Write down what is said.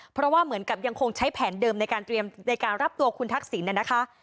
เพราะว่าเหมือนกับยังคงใช้แผนเดิมในการเตรียมในการรับตัวคุณทักษิณนะคะ